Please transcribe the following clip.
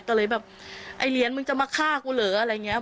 ก็เลยแบบไอ้เหรียญมึงจะมาฆ่ากูเหรออะไรอย่างนี้